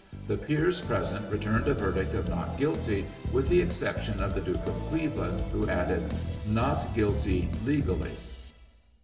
The peers present returned a verdict of " Not guilty,'* with the exception of the Duke of Cleveland, who added " Not guilty, legally."